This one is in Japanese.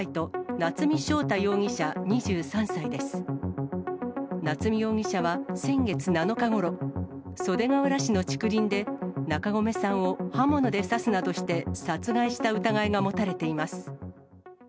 夏見容疑者は先月７日ごろ、袖ケ浦市の竹林で、中込さんを刃物で刺すなどして殺害した疑いが持たれています。